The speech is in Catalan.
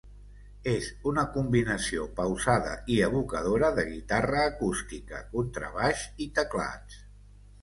És una combinació pausada i evocadora de guitarra acústica, contrabaix i teclats.